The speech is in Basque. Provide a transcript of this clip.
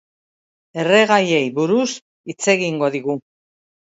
Erregaiei buruz hitz egingo digu.